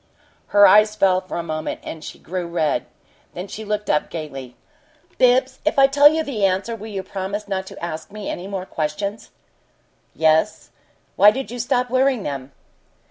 Her eyes fell for a moment, and she grew red. Then she looked up gaily. "Bibbs, if I tell you the answer will you promise not to ask any more questions?" "Yes. Why did you stop wearing them?"